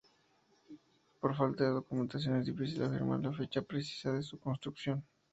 Por falta de documentación es difícil afirmar la fecha precisa de su construcción.